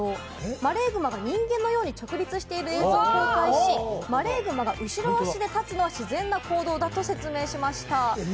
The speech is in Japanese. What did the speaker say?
マレーグマが人間のように直立している映像を公開し、マレーグマが後ろ足で立つのは自然な行動だと説明しました。